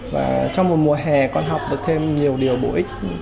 và trong một mùa hè con học được thêm nhiều điều bổ ích